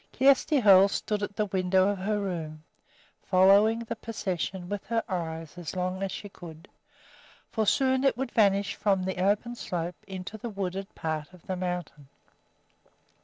Kjersti Hoel stood at the window of her room, following the procession with her eyes as long as she could, for soon it would vanish from the open slope into the wooded part of the mountain.